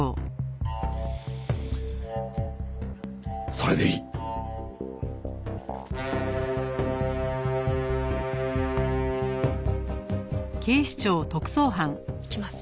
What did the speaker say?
それでいい。いきます。